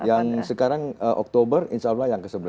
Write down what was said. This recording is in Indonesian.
yang sekarang oktober insya allah yang ke sebelas